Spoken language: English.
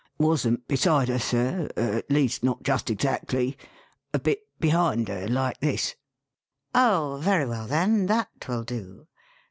"Wasn't beside her, sir at least not just exactly. A bit behind her like this." "Oh, very well, then, that will do.